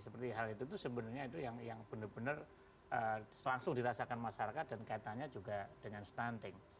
seperti hal itu sebenarnya itu yang benar benar langsung dirasakan masyarakat dan kaitannya juga dengan stunting